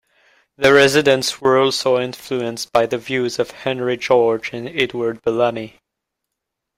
The residents were also influenced by the views of Henry George and Edward Bellamy.